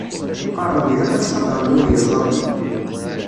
Qqaren-d ilaq ad tqadrem wid yuẓamen.